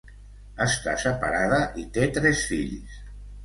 Està separada i té tres fills.